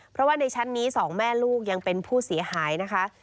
เพราะว่าในชั้นนี้สองแม่ลูกยังเป็นผู้เสียหายนะคะ